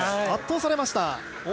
圧倒されました。